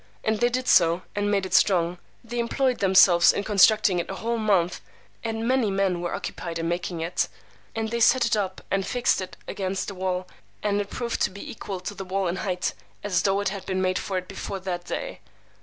And they did so, and made it strong. They employed themselves in constructing it a whole month, and many men were occupied in making it. And they set it up and fixed it against the wall, and it proved to be equal to the wall in height, as though it had been made for it before that day.